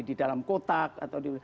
di dalam kotak atau di